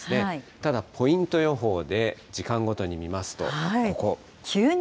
ただ、ポイント予報で時間ごとに見ますと、ここ。